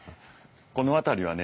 この辺りはね